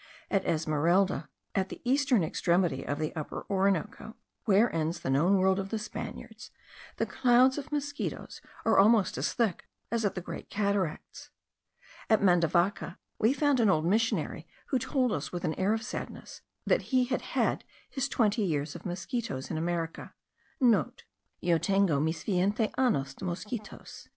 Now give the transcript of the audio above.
At Esmeralda, at the eastern extremity of the Upper Orinoco, where ends the known world of the Spaniards, the clouds of mosquitos are almost as thick as at the Great Cataracts. At Mandavaca we found an old missionary, who told us with an air of sadness, that he had had his twenty years of mosquitos in America*. (* "Yo tengo mis veinte anos de mosquitos.")